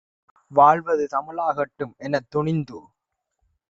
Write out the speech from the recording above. வாழ்வது தமிழாகட்டும்" எனத்துணிந்து